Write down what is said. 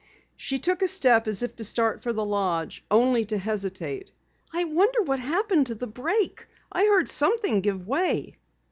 She took a step as if to start for the lodge, only to hesitate. "I wonder what happened to the brake? I heard something give way."